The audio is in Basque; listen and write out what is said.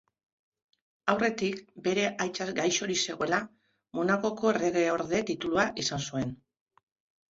Aurretik, bere aita gaixorik zegoela, Monakoko Erregeorde titulua izan zuen.